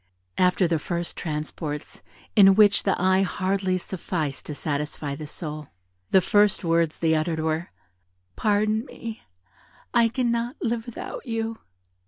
After the first transports, in which the eye hardly sufficed to satisfy the soul, the first words they uttered were, "Pardon me, I cannot live without you."